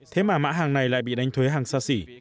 thế mà mã hàng này lại bị đánh thuế hàng xa xỉ